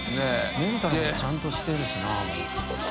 メンタルもちゃんとしてるしな。